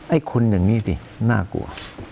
ไอ้คนแบบนี้สิน่ากลัว